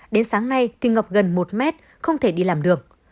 đến sáng nay thì ngập gần một mét không thể đi làm được